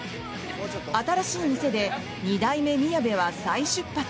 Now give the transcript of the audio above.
新しい店で二代目みやべは再出発。